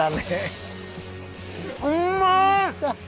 うまい！